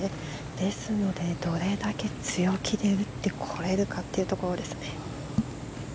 ですのでどれだけ強気で打ってこれるかというところですね。